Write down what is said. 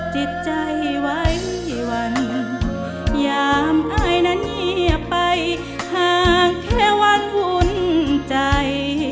จิตใจไว้วันยามอายนั้นเงียบไปห่างแค่วัดวุ้นใจ